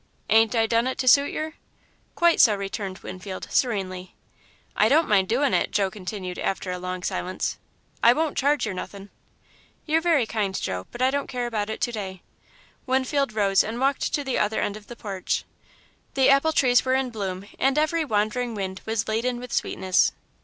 "Ain't I done it to suit yer?" "Quite so," returned Winfield, serenely. "I don't mind doin' it," Joe continued, after a long silence. "I won't charge yer nothin'." "You're very kind, Joe, but I don't care about it to day." Winfield rose and walked to the other end of the porch. The apple trees were in bloom, and every wandering wind was laden with sweetness.